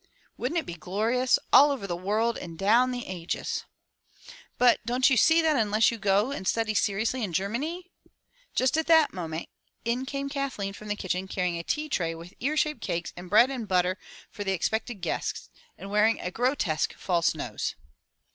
"Wouldn't it be glorious — all over the world and all down the ages!" "But don't you see that unless you go and study seriously in Germany? —" Just at that moment in came Kathleen from the kitchen, carrying a tea tray with ear shaped cakes and bread and butter for the expected guests, and wearing a grotesque false nose.